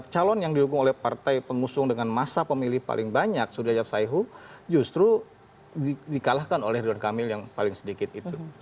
calon yang dilukung oleh partai pengusung dengan masa pemilih paling banyak sudirajad saeho justru di kalahkan oleh rinduan kamil yang paling sedikit itu